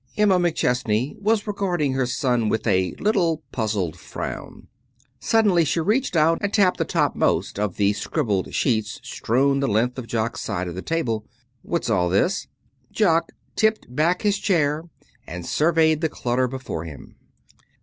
Emma McChesney was regarding her son with a little puzzled frown. Suddenly she reached out and tapped the topmost of the scribbled sheets strewn the length of Jock's side of the table. "What's all this?" Jock tipped back his chair and surveyed the clutter before him.